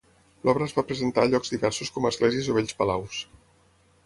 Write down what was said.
L'obra es va presentar a llocs diversos com esglésies o vells palaus.